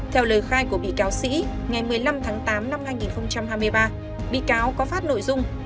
theo lời khai của bị cáo sĩ ngày một mươi năm tháng tám năm hai nghìn hai mươi ba bị cáo có phát nội dung